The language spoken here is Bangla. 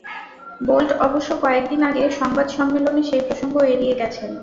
বোল্ট অবশ্য কয়েক দিন আগে সংবাদ সম্মেলনে সেই প্রসঙ্গ এড়িয়ে গেছেন।